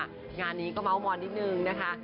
งานนี้ก็เมาส์มอนนิดนึงนะคะ